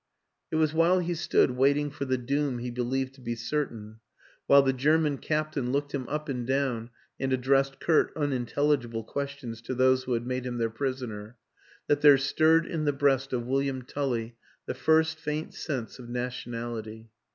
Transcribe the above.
It was while he stood waiting for the doom he believed to be certain, while the German captain looked him up and down and addressed curt un intelligible questions to those who had made him their prisoner that there stirred in the breast of William Tully the first faint sense of nationality.